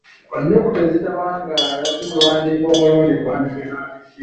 Ennyukuta ezitawangaala, tuziwandiika omulundi gumu.